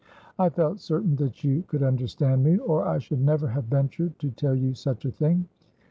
"I felt certain that you could understand me, or I should never have ventured to tell you such a thing.